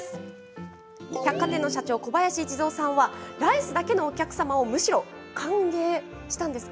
百貨店の社長、小林一三さんはライスだけのお客様をむしろ歓迎したんです。